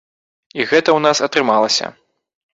І гэта ў нас атрымалася.